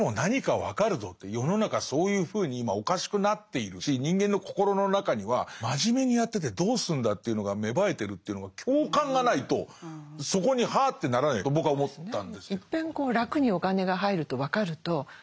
世の中そういうふうに今おかしくなっているし人間の心の中には真面目にやっててどうすんだというのが芽生えてるというのが共感がないとそこにはあってならないと僕は思ったんですけど。